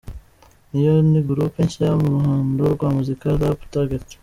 Iyi yo ni Group Nshya mu ruhando rwa muzika, "Rap Target".